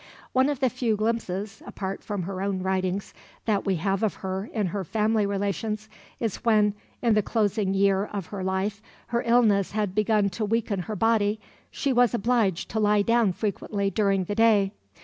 One of the few glimpses (apart from her own writings) that we have of her in her family relations is when, in the closing year of her life, her illness having begun to weaken her body, she was obliged to lie down frequently during the day.